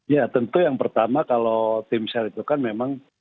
ya tentu yang pertama kalau tim sel itu kan memang